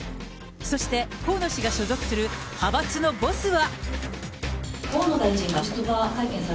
そして河野氏が所属する派閥のボスは。